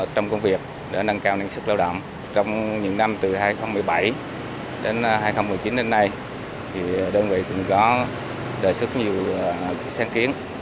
trong những năm từ hai nghìn một mươi bảy đến hai nghìn một mươi chín đến nay đơn vị cũng có đề xuất nhiều sáng kiến